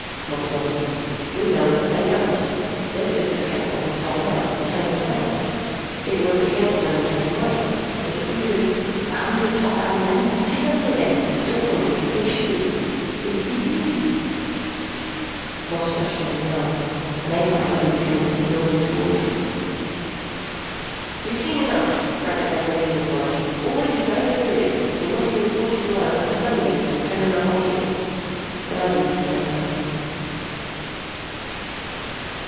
Moss nodded. "We know, but they don't. Their Surface Council has sold out, the same as ours. It works against them the same way. But if we could " "With a hundred top level men, we could take over again, restore things as they should be! It would be easy!" Moss touched him on the arm. An A class leady was coming from the building toward them. "We've seen enough," Franks said, raising his voice. "All this is very serious. It must be reported below and a study made to determine our policy." The leady said nothing.